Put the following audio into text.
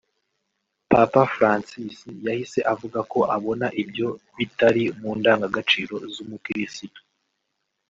Papa Francis yahise avuga ko abona ibyo bitari mu ndangagaciro z’umukirisitu